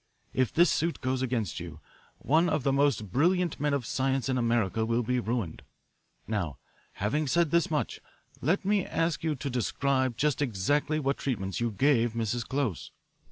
If this suit goes against you, one of the most brilliant men of science in America will be ruined. Now, having said this much, let me ask you to describe just exactly what treatments you gave Mrs. Close."